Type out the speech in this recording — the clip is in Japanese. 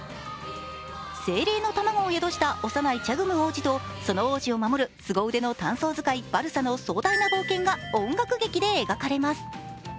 精霊の卵を宿した幼いチャグム皇子とその皇子を守るすご腕の短槍使い・バルサの壮大な冒険が音楽劇で描かれます。